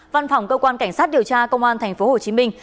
văn phòng cơ quan cảnh sát điều tra công an thành phố hồ chí minh